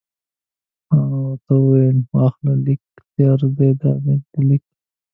ما ورته وویل: واخله، لیک تیار دی، دا دی لیک.